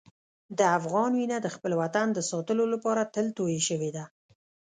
د افغان وینه د خپل وطن د ساتلو لپاره تل تویې شوې ده.